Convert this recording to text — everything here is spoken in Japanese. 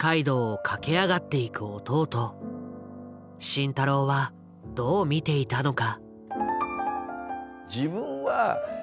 慎太郎はどう見ていたのか。